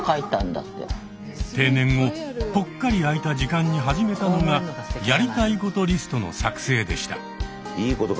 定年後ぽっかり空いた時間に始めたのがやりたいことリストの作成でした。